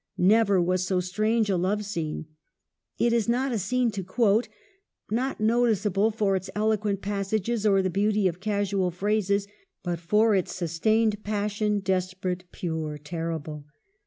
Never was so strange a love scene. It is not a scene to quote, not no ticeable for its eloquent passages or the beauty of casual phrases, but for its sustained passion, desperate, pure, terrible.